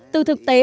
từ thực tế